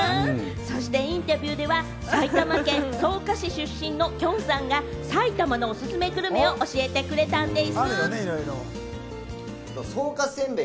そしてインタビューでは、埼玉県草加市出身のきょんさんが、埼玉のおすすめグルメを教えてくれたんでぃす。